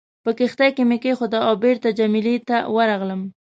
په کښتۍ کې مې کېښوده او بېرته جميله ته ورغلم.